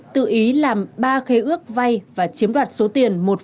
tự ý làm ba khế ước vay và chiếm đoạt số tiền